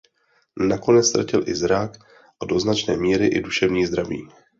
Nakonec ztratil i zrak a do značné míry i duševní zdraví.